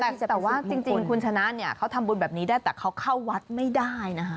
โอ้โหกลัวแล้วออกไป